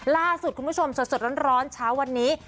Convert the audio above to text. ล่าสุดคุณผู้ชมสดร้อนเช้าวันนี้